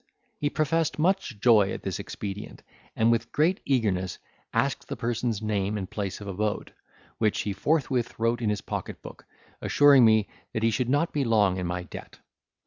He professed much joy at this expedient, and with great eagerness asked the person's name and place of abode, which he forthwith wrote in his pocket book, assuring me, that he should not be long in my debt.